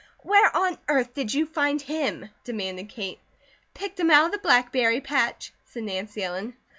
"Where on earth did you find him?" demanded Kate. "Picked him out of the blackberry patch," said Nancy Ellen.